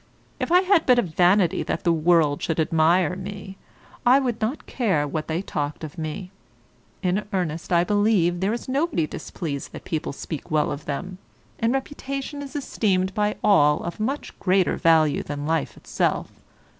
If I had but a vanity that the world should admire me, I would not care what they talked of me. In earnest, I believe there is nobody displeased that people speak well of them, and reputation is esteemed by all of much greater value than life itself.